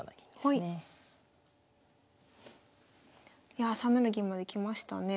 いやあ３七銀まできましたね。